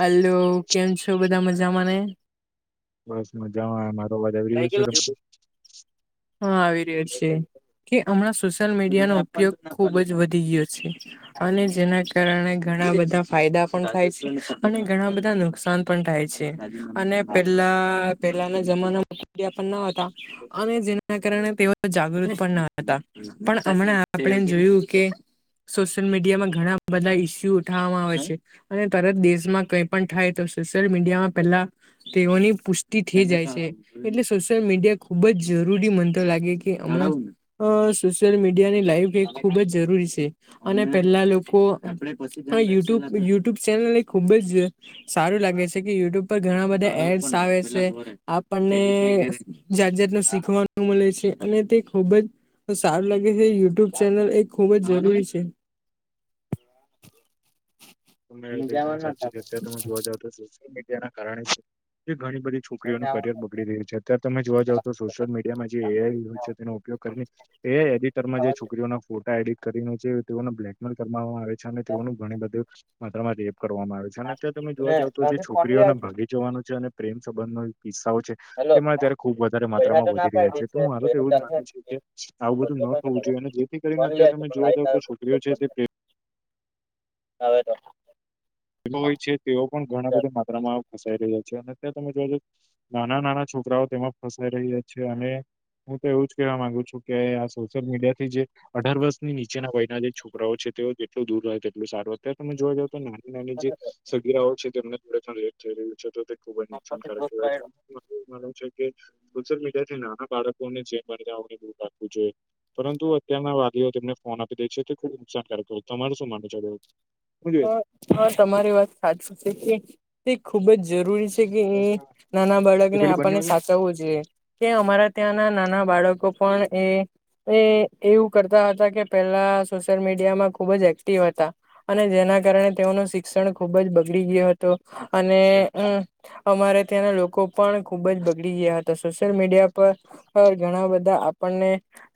Hello કેમ છો બધા મજામાંને. બસ મજામાં એમાં. હા આવી રયો છે. કે હમણાં સોશિયલ મીડિયાનો ઉપયોગ ખુબ જ વધી ગયો છે. અને જેના કારણે ઘણા બધા ફાયદા પણ થાય છે અને ઘણા બધા નુકસાન પણ થાય છે અને પેલા પેલાના જમાના માંિયા [inaudible] પણ ન હતા અને જેના કારણે તેઓ જાગૃત પણ ન હતા. પણ હમણા આપડે એમ જોયું કે. સોશિયલ મીડિયામાં ઘણા બધા ઈસ્યુ ઉઠાવવામાં આવે છે. અને તરત દેશમાં કઈ પણ થાય તો સોશિયલ મીડિયામાં પેલા તે ઓની પુષ્ટિ થઈ જાય છે. એટલે સોશિયલ મીડિયા ખુબ જ જરૂરી મનતો લાગે કે હમણાં અ. સોશિયલ મીડિયા ની લાઈફ એ ખૂબ જ જરૂરી છે. અને પેલા લોકો યુટુબ યુટ્યુબ ચેનલ એ ખુબ જ સારું લાગે છે કે યુટ્યુબ પર ઘણા બધા એડ્સ આવે છે અપ. આપણને જાત જાતનું શીખવાનું મળે છે અને તે ખૂબ જ તો સારું લાગે છે યુટ્યુબ ચેનલ એ ખૂબ જ જરૂરી છે. [unintelligible] મે તો એકદમ સાચી છે અત્યારે તમે જોવા જાવ તો સોશિયલ મીડિયા ના કારણે ઘણી બધી છોકરીઓ નુ કરિયર બગડી રહ્યું છે અત્યારે તમે જોવા જાવ તો સોશિયલ મીડિયામાં જે એઆઈ હોય છે તેનો ઉપયોગ કરીને એ એડિટરમાં જે છોકરીઓના ફોટા એડિટ કરીને જે તેઓને બ્લેકમેલ કરવામાં આવે છે અને તેઓનું ઘણી બધું માત્રામાં રેપ કરવામાં આવે છે. અત્યારે તમે જોવા જાવ તો જે છોકરીઓને ભાગી જવાનો છે અને પ્રેમ સંબંધ નો કિસ્સાઓ છે તેમાં અત્યારે ખુબ વધારે માત્રામાં વધી રહ્યા છે તો મારે તો એવું જ માનું છે. આવું બધું ન થવું જોઈએ અને જેથી કરીને અત્યારે તમે જોવા જાવ કે છોકરીઓ છે. હવે તો. હોય છે તેઓ પણ ઘણા બધા માત્રામાં ફસાઈ રહ્યા છે અને અત્યાર તમે જોવા જાવ નાના નાના છોકરાઓ તેમાં ફસાઈ રહ્યા છે અને હું તો એવું જ કેહેવા માંગુ છું કે આ સોશિયલ મીડિયા થી જે અઢાર વર્ષની નીચેના વયના જે છોકરાઓ છે તેઓ જેટલું દૂર રહે તેટલું સારું અત્યારે તમે જોવા જાવ તો ના ની જે સગીરાઓ છે તેમને થોડેણ લેટ થઈ રહ્યું છે તો તે ખુબ જ નુકસાનકારક કહેવાય છે. [unintelligible] માનવું છે કે સોશિયલ મીડિયા થી નાના બાળકોને [unintelligible] પરંતુ અત્યારના વાલીઓ તેમને ફોન આપી દે છે તે ખુબ નુકસાનકારક હોય તમાર શું માનું છે હા હા તમારી વાત સાચી છે કે તે ખુબ જ જરૂરી છે કે બાબતે? નાના તે બાળકને પેલી બંને આપણને સાચવવું જોઈએ. કે અમારા ત્યાંના નાના બાળકો પણ એ એ એવું કરતા હતા કે પેલા સોશિયલ મીડિયા માં ખુબ જ એક્ટિવ હતા. અને જેના કારણે તેઓનું શિક્ષણ ખુબ જ બગડી ગીયો હતો અને વચ્ચે અમારે ત્યાંના લોકો પણ ખુબ જ બગડી ગયા હતા સોશિયલ મીડિયા પર પર ઘણા બધા આપણને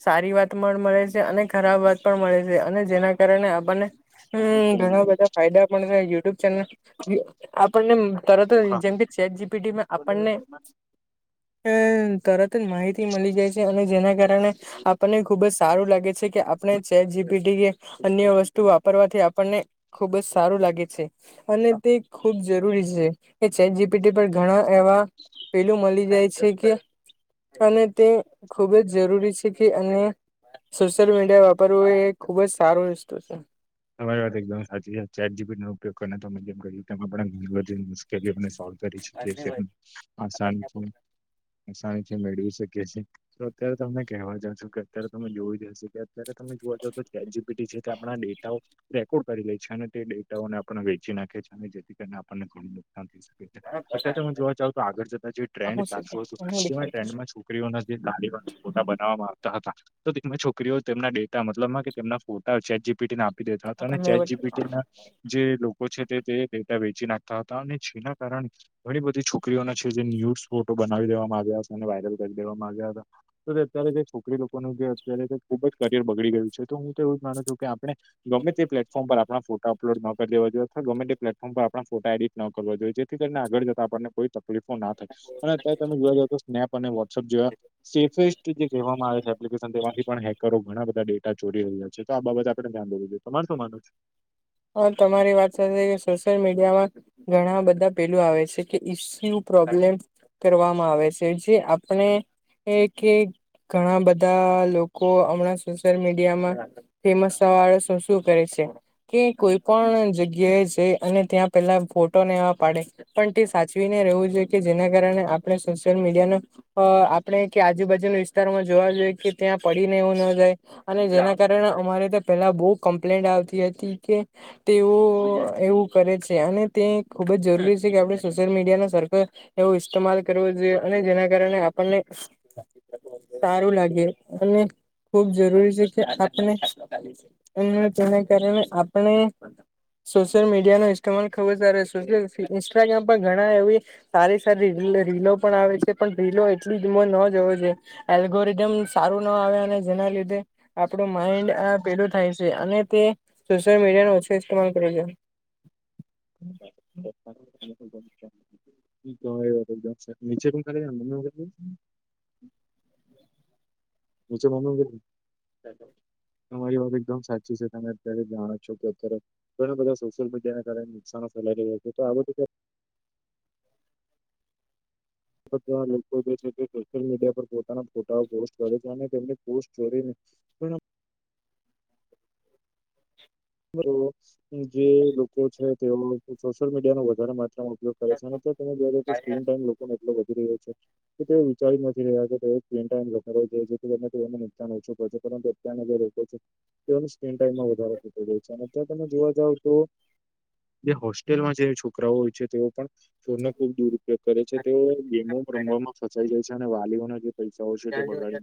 સારી વાત પણ મળે છે અને ખરાબ વાત પણ મળે છે અને જેના કારણે આપણને હમમ ઘણા બધા ફાયદા પણ થાય યુટ્યુબ ચેનલ આપણને તરત જ ચોખા જેમ કે ચેટ જીપીટીમાં આપણને અ તરત જ માહિતી મળી જાય છે અને જેના કારણે આપણને ખુબ જ સારું લાગે છે કે આપણે ચેટ જીપીટી કે અન્ય વસ્તુ વાપરવા થી આપણને ખુબ જ સારું લાગે છે અને તે ખૂબ જરૂરી છે કે ચેટ જીપીટી જીપીટી પર ઘણા એવા પહેલું મળી જાય છે કે અને તે ખૂબ જ જરૂરી છે કે અને સોશિયલ મીડિયા વાપરવું એ ખુબ જ સારું વસ્તુ છે. તમારી વાત એકદમ હાચી છે ચેટ જીપીટી નો ઉપયોગ કરને તમે જેમ કરયુ તેમ આપણા મુશ્કેલીઓને સોલ્વ કરી શકયે છે આસાન તો આસાનીથી મેળવી શકીએ છીએ તો અત્યારે તમને કેવા જશો કે અયારે તમે જોવી જશે કે અત્યારે તમે જોવા જઓ તો કે ચેટ જીપીટી છે કે આપણા ડે રેકોર્ડ કરી લે છે અને તે ડેટાઓને આપણ ને વેચી નાખે છે અને જેથી કરીને આપણને ઘણી શકે છે અત્યારે તો તમે જોવા જાવ તો આગળ જતા જે ટ્રેન્ડ હું ચાલતુ હતું હું તે દેખાય ટ્રેન્ડમાં છો છોકરીઓનેથી ગાડી પણ ફોટા બનાવવામાં આવતા હતા. તો તેમાં છોકરીઓ તેમના ડેટા મતલબમાં કે તેમના ફોટા ચેટ જીપીટીને આપી દે દેતા હતા ને ચેટ જીપીટી ના જે લોકો છે તે તે ડેટા વેચી નાખતા હતા અને જેના કારણે ઘણી બધી છોકરીઓના છે જે ન્યૂસ ફોટો બનાવી દેવામાં આવ્યા હતા અને વાયરલ કરી દેવામાં આવ્યા હતા. અત્યારે જે છોકરી લોકોનું જે અત્યારે ખુબ જ કરિયર બગડી ગયું છે તો હું તો એવું જ માનું છું કે આપણે ગમે તે પ્લેટ પ્લેટફોર્મ પર આપણા ફોટા અપલોડ ના કર દેવા જોઈએ અથવા ગમે તે પ્લેફોર્મ પર આપણા ફોટા એડિટ ન કરવા જોઈએ. જે થી કરીને આગળ જતા આપણને કોઈ તકલીફો ના થાય અને અત્યારે તમે જોવા જ તો સ્નેપ અને વોટ્સઅપ જેવા સેફેસ્ટ જે કહેવામાં આવે છે. એપ્લિકેશન તેમાંથી પણ હેકરો ઘણા બધા ડેટા ચોરી રહ્યા છે તો આ બાબત આપણે ધ્યાન દેવું જોઈએ તમાર શું માનવુ છે. હા તમારી વાત સાચી કે સોશિયલ મીડિયા માં ઘણા બધા પહેલું આવે છે કે ઈસ્યુ, પ્રોબ્લેમ કરવામાં આવે છે જે આપણે કે ઘણા બધા લોકો હમણાં સોશિયલ મીડિયામાં ફેમસ થાવા હારુ શું કરે છે. કે કોઈ પણ જગ્યા એ છે અને ત્યાં પેલા ફોટો ને એવા પાડે. પણ તે સાચવીને રહેવું જોઈએ કે જેના કારણે આપણે સોશિયલ મીડિયા નુ અ આપણેે કે આજુબાજુના વિસ્તારમાં જોવા જોઈએ કે ત્યાં પડીને એવું ન જાય અને જેના કારણે અમારે તા પહેલા બો કમ્પ્લેન્ટ આવતી હતી કે તેઓ એવું કરે છે અને તે ખુબ જ જરૂરી છે કે આપણે સોશિયલ મીડિયા ના સરકલ એવું ઇસ્તેમાલ કરવું જોઈએ અને જેના કારણે આપણને સારું લાગે અને ખુબ જરૂરી છે કે આપને અને તેના કારણે આપ અને સોશિયલ મીડિયા નો ઇસ્તમાલ ખૂબ સરસ સોશિયલ [unintelligible] ઇન્સ્ટાગ્રામ પર ઘણા એવી સારી સારી એટલે રીલો પણ આવે છે પણ રીલો એટલી જી માં ન જોવી જોઈએ. એલ્ગોરિધમ સારું ના આવે અને જેના લીધે આપણું માઇન્ડ આ પેલું થાય છે અને તે સોશિયલ મીડિયાનો ઓછો ઇસ્તમાલ કરે છે. [inaudible] તો હવે એવું કરે સાહેબ નીચે થી કર્યે ને તો એવું કરી [unintelligible] તમારી વાત એકદમ સાચી છે. તમે અત્યારે જાણો છો કે અત્યારે ઘણાં બધાં સોશિયલ મીડિયાના કારણે નુકસાનો ફેલાઈ રહ્યા છે, તો આ બધું કે બઘાં લોકો જે છે તે સોશિયલ મીડિયા પર પોતાના ફોટાઓ પોસ્ટ કરે છે અને તેમની પોસ્ટ ચોરીને કોઈનો હલો, જે લોકો છે તેઓ સોશિયલ મીડિયાનુ વધારે માત્રામાં ઉપયોગ પરેશાની છે, તમે જોઈ રહ કે સ્ક્રીન ટાઈમ લોકોને એટલો વધી રહ્યો છે. તેઓ વિચારી નથી રહ્યા કે [inaudible] નુકસાન ઓછું કર પરંતે ત્યાં જે લોકો છે તેઓની સ્કીન ટાઈમમાં વધારે થ છે અનેયાં તમે જોવા જાવ તો જે હોસ્ટેલમાં જે છોકરાઓ હોય છે, તેઓ પણ છોરને ખુબ દુરુપયોગ કરે છે તેઓ ગેમો રમવામાં ફસાઈ જાય છે અને વાલીઓને બી પૈસાઓ છે તે બગાડી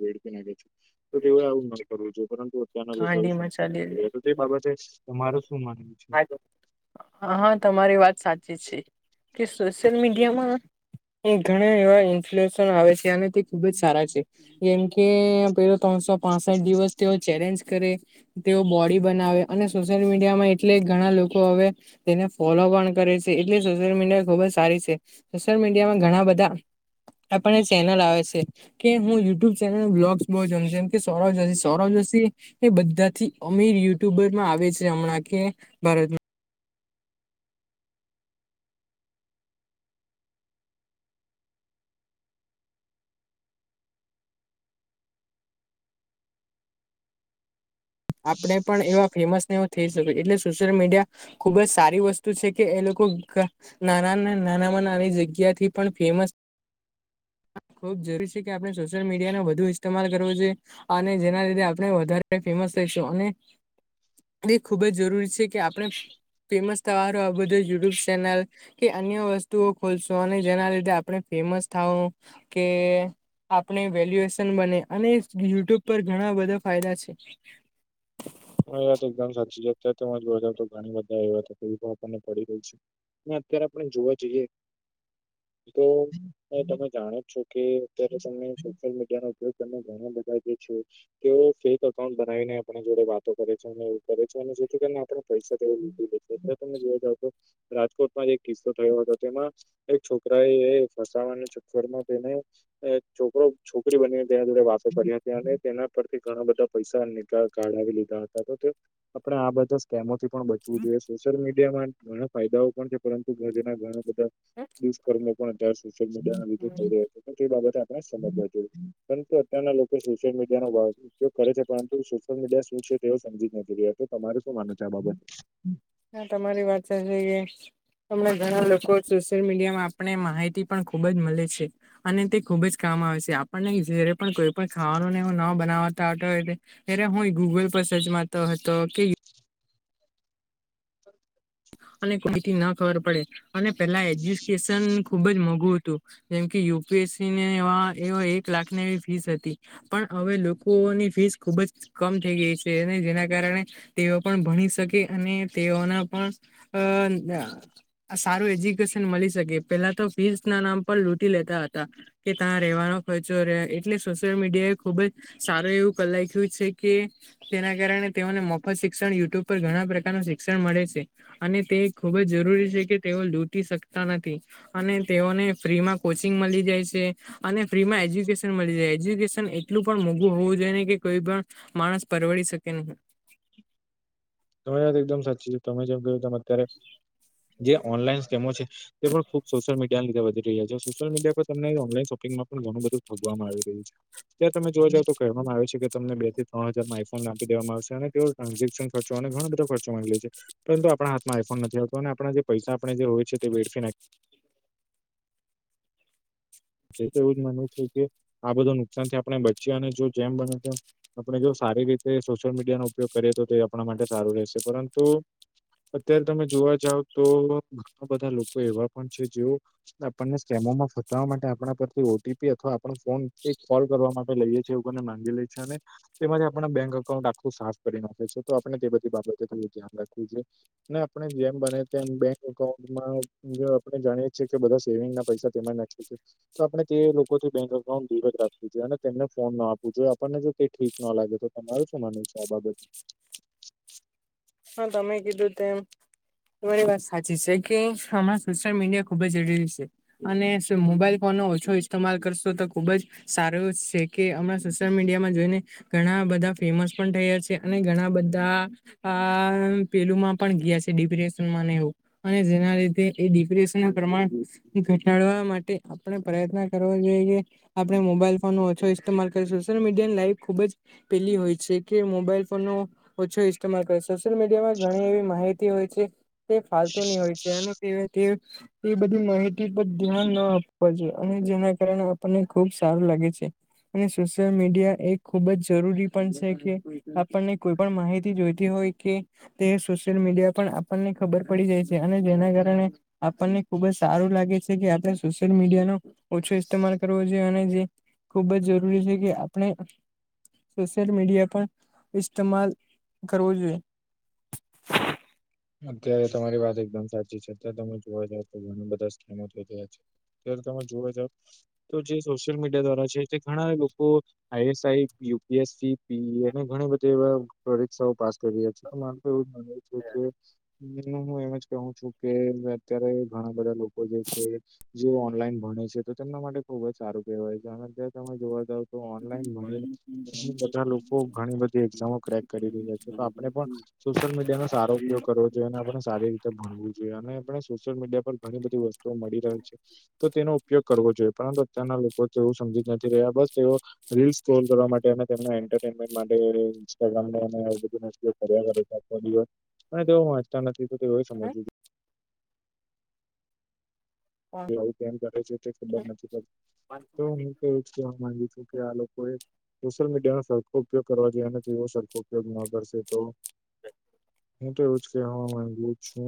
વેડફી નાખે છું તો તેઓએ આવું ન કરવું જો પરંતુ તાના લોકો એ ગાંડી સમજી મચાલી શકે તો તે બાબતે તમાર શું માનવું છે? હા હા, તમારી વાત સાચી છે કે સોશિયલ મીડિયામાં એ ઘણા એવા ઇન્ફલેશન આવે છે આનાથી ખુબ જ સારા છે જેમ કે પેલો ત્રણસો પાસેઠ દિવસ તેઓ ચેલેન્જ કરે. તેઓ બોડી બનાવે અને સોશિયલ મીડિયામાં એટલે ઘણા લોકો હવે તેને ફોલો પણ કરે છે. એટલે સોશિયલ મીડિયા ખુબ જ સારી છે. સોશિયલ મીડિયામાં ઘણાં બધાં આપણે ચેનલ આવે છે, કે હું યુટ્યુબ ચેનલ બ્લોગસ બો જેમ કે સૌરવ જોશી સૌરવ જોશી તે એ બધાંથી અમીર યુટુબરમાં આવે છે અમણાં કે ભારત આપડે પણ એવા ફેમસને એવું થેય શકે એટલે સોશિયલ મીડિયા ખુબ જ સારી વસ્તુ છે કે એ લોકો ગા નાના ને નાનામાં નાની જગ્યાથી પણ ફેમસ ખુબ જરૂરી છે કે આપણે સોશિયલ મીડિયાનો વધુ ઇસ્તેમાલ કરવો જોઈએ. અને જેના લીધે આપણે વધારે ફેમસ અને એ ખુબ જ જરૂરી છે કે આપણે ફેમસ તમારું આ બધુ યુટ્યુબ ચેનલ કે અન્ય વસ્તુઓ ખોલશો અને જેના લીધે આપણે ફેમસ થાવ કે આપણે વેલ્યુએશન બને અને યુટ્યુબ પર ઘણાં બધાં ફાયદા છે. હ, યા તો એકદમ સાચી છે. અત્યારે મજ તો ઘણી બધા એવા તકબો આપણને પડી રહી છે. ના અત્યારે આપણે જોવા જઈએ તો હ, તમે જાણો જ છો કે અત્યારે તમે સોશિયલ મીડિયા ઉપયોગ ત ઘણા બધા છે. તેઓ ફેક અકાઉન્ટ બનાવીને આપણા જોડે વાત કરે છે. એવું કરે છે. અને જેથી કરીને આપણે પૈસા તેવ વદે છે એ તમે જોઈ જાવ તો રાજકોટમાં જે કિસ્સો થયો હતો તેમાં એક છોકરાએ ફસાવાને ચક્કરમાં તેને છોકરો છોકરી બનીને તેના જોડે વાતો પડ્યા ત્યા ને તેના પરથી ઘણા બધા પૈસા નીકાળ કાઢાવી લેય. આપણે આ બધા સ્કેમોથી પણ બચવું જોઈએ સોશિયલ મીડિયામાં ઘણા ફાયદાઓ પણ છે પરંતુ ઘર જેના ઘણા બધા હ. દુષ્કર્મ પણ અત્યારે સોશિયલ મીડિયાના લીધે ચોરે. તે બાબતે આપણે સમજવા જોઈએ, પરંતુ અત્યારના લોકો સોશિયલ મીડિયાનો ભાવ ઉપયોગ કરે છે પરંતુ સોશિયલ મીડિયા શું છે તેઓ સમજી જ નથી રહ્યા તો તમારે શું માનવું છે આ બાબતે? હા, તમારી વાત [unintelligible] હમણાં ઘણાં લોકો સોશિયલ મીડિયામાં આપને માહિતી પણ ખુબ જ મળે છે. અને તે ખૂબ જ કામ આવે છે આપણને જયારે પણ કોઈ પણ ખાવાનુંને એવુ ન બનાવાતા આવતુ હોય તે અ્યારે હું ગૂગલ પર સર્ચ મારતો હતો કે- - અને કોઈથી ના ખબર પડે અને પેલા એજ્યુકેશન ખુબ જ મોંઘું હતું. જેમ કે યુપીએસસી ને એ એક લાખની એવી ફીસ હતી. પણ હવે લોકોની ફીસ ખુબ જ- - કમ થઈ ગઈ છે અને જેના કારણે તેઓ પણ ભણી શકે અને તેઓના પણ હ ના સારું એજ્યુકેશન મળી શકે પેલા તો ફી ના નામ પર લૂટી લેતા હતા કે ત્યાં રહેવાનો ખર્ચો રહે એટલે સોશિયલ મીડિયા એ ખુબ જ સારું એવું કલાખ્યું છે કે- - તેના કારણે તેઓને મફત શિક્ષણ યુટ્યુબ પર ઘણા પ્રકારનું શિક્ષણ મળે છે. અને તે ખુબ જ જરૂરી છે કે તેઓ લૂટી શકતા નથી અને તેઓને ફ્રી માં કોચિંગ મળી જાય છે. અને ફ્રી માં એજ્યુકેશન મળી જાય એજ્યુકેશન એટલું પણ મોઘું હોવું જોઈએ ને કે કોઈ પણ- - માણસ પરવડી શકે નહીં તમારી વાત એકદમ સાચી છે તમે જેમ કહ્યું તમે અત્યારે જે ઓનલાઈન સ્કેમો છે. તે પણ ખુબ સોશિયલ મડિયા ની વધી રહ્યા છે સોશિયલ મીડિયા- - તમને ઓનલાઈન શોપિંગમાં પણ ઘણું બધું ફગવામાં આવી રહ્યું છે. ત્યારે તમે જો જાવ તો કહેવામાં આવે છે કે તમને બે થી ત્રણ હજાર માં આઈફોન આપી દેવામાં આવશે અને તેઓ ટ્રાન્ઝેક્શન ખર ચો અને ઘણા બેધ ખર્ચ માગી લઈ છે. પરંતુ આપડા હાથમાંઈફોન નથી આવતો અને આપણા જે પૈસા આપણે જે હોય છે તે વેડફી નાખ- - તો એવું જ મનવું છે કે આ બધું નુકસાન થી આપણે બચ્યા અને જો જેમ બને તેમ- - આપણે જો સારી રીતે સોશિયલ મીડિયાનો ઉપયોગ કરીએ તો તે આપના માટે સારું રહેશે પરંતુ- - અત્યારે તમે જોવા જાવ તો ઘણા બધા લોકો એવા પણ છે જેઓ આપણને સ્ટેમો માં ફટવા માટે આ પણા પરથી ઓટીપી અથવા આપનું ફોન કોલ કરવા માટે લઈએ છે એવું કરીને માંગી લે છે અને તેમાંથી આપણા બેંક અઉન્ટ આખું સાફ કરી નાખે છે તો આપણે તે બધી બાબતે થડું ધ્યાન રાખવું જોઈએ. ને આપણે જેમ બને તેમ બેંક અકાઉન્ટમાં આપડે જાણીએ છીએ કે બધા સેવિંગ ના પૈસા તેમાં ના- - [inaudible] તો આપણે તે લોકોથી બેંક અઉન્ટ દૂર જ રાખવું જોઈએ અને તેમને ફોન ન આપવ જોએ આપણને જો ઠીક ના લાગે તો તમારું શું માનવું છે આ બાબત હા તમે કીધું તેમ તમારી વાત સાચી છે કે આમાં સોશિયલ મીડિયા ખુબ જ જરૂરી છે. અને મોબાઈલ ફોન નો ઓછો ઇસ્તેમાલ કરશો તો ખુબ જ સારું છે કે હમણાં સોશિયલ મીડિયામાં જોઈને. ઘણા બધા ફેમસ પણ થયા છે અને ઘણા બધા આ પેલુંમાં પણ ગયા છે ડિપ્રેશનમાં ને એવું અને જેના લીધે એ ડિપ્રેશન પ્રમાણ ઘટાડવા માટે આપણે પ્રયત્ન કરવો જોઈએ. આપણે મોબાઈલ ફોનનો ઓછો ઇસ્તેમાલ કરીશું સોશિયલ મીડિયા લાઈવ ખુબ જ પેલી હોય છે કે મોબાઈલ ફોનનો ઓછો સોશિયલ મીડિયામાં ઘણી એવી માહિતી હોય છે તે ફતુની હોય છે અને તે એ બધી માહિતી પર ધ્યાન ના આપવા જોઈએ અને જેના કારણે આપણને ખુબ સારું લાગે છે. અને સોશિયલ મીડિયા એ ખુબ જ જરૂરી પણ છે કે આપણને કોઈ પણ માહિતી જોઈ હોય કે તે સોશિયલ મીડિયા પણ આપણને ખબર પડી જાય છે અને જેના કારણે આપણને ખુબ જ સારું લાગે છે કે આપણે સોશિયલ મીડિયા નો ઓછો ઇસ્તેમાલ કરવો જોઈએ અને જે ખૂબ જ જરૂરી છે કે આપણે સોશિયલ મીડિયા પણ ઇસ્માલ કરવો જોઈએ. અત્યારે તમારી વાત એકદમ સાચી છે અત્યારે તમે જોવા જ તો ઘના બધા સ્કેમો થઇ રહયા છે. ત્યારે તમે જોવા જાવ તો જે સોશિયલ મીડિયા દ્વારા છે તે ઘણા લોકો- - I S I U P S C P અને ઘણી બધી એવા પરીક્ષાઓ પાસ- - કરી રહ્યા છે અને મારુ તો એમજ માનવું છે કે હમ હું એમજ કહું છું કે અત્યારે ઘણા બધા લોકો જે છે જે ઓનલાઈન ભણે છે તો તેમના માટે ખુબ જ સારું કહેવાય છે અને તમે જોવા જાવ તો ઓનલાઈન ભણીને ઘ બધા લોકો ઘણી બધી એક્ઝામો ક્રેક કરી રહ્યા છે. તો આપણે પણ સોશિયલ મીડિયા નોારો ઉપયોગ કરવો જોઈએ અને આપ સારી ભણવું જોઈએ અને સોશિયલ મીડિયા પર ઘણી બધી વસ્તુઓ મળી ર છે. તો તેનો ઉપયોગ કરવો જોઈએ પરંતુ અત્યારના લોકો તેવું સમજી જ નથી રહ્યા બસ તેઓ રીલ્સ કોલ કરવા માટે અને તેમના એન્ટરટેનમેન્ટ માટે તેઓ વાંચતા નથી તો તે સમજવું આવું કેમ કરે છે તે ખબર નથી પતી તો હું તો એવું જ કહેવા માંગુ છું કે આ લોકોએ સોશિયલ મીડિયા નો સરખો ઉપયોગ કરવા જોઈએ ને તો એવો સરખો ઉપયોગ ન કરશે તો કે હું